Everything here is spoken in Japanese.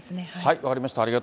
分かりました。